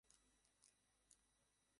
কিন্তু সে তাকে অগ্রাহ্য করে হিজরত করে।